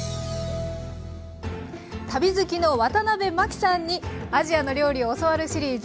旅好きのワタナベマキさんにアジアの料理を教わるシリーズ。